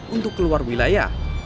untuk keluar wilayah